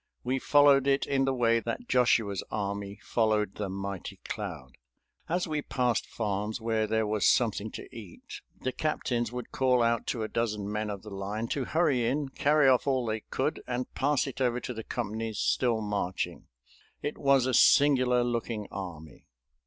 We followed it in the way that Joshua's army followed the mighty cloud. As we passed farms where there was something to eat the captains would call out to a dozen men of the line to hurry in, carry off all they could, and pass it over to the companies still marching. It was a singular looking army.